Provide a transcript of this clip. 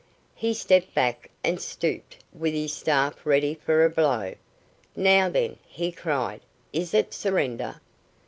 He stepped back and stooped with his staff ready for a blow. "Now, then," he cried; "is it surrender?"